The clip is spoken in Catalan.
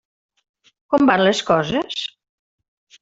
Com van les coses?